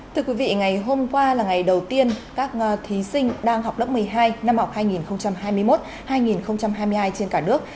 thưa quý vị ngày hôm qua là ngày đầu tiên các thí sinh đang học lớp một mươi hai năm học hai nghìn hai mươi một hai nghìn hai mươi hai trên cả nước